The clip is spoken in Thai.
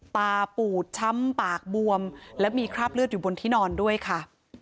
ปูดช้ำปากบวมและมีคราบเลือดอยู่บนที่นอนด้วยค่ะ